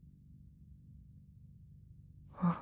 あっ。